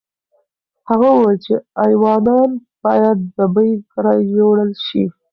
هغه وویل چې ایوانان باید ببۍ کره یوړل شي.